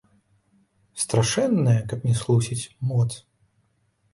Страшэнная, каб не схлусіць, моц!